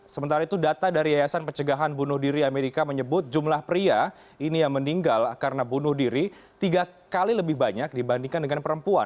sementara itu data dari iasp info menyebut jumlah pria yang meninggal karena bunuh diri tiga kali lebih banyak dibandingkan dengan perempuan